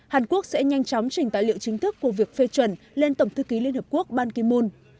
hàn quốc sẽ nhanh chóng trình tài liệu chính thức của việc phê chuẩn lên tổng thư ký liên hợp quốc ban kim mun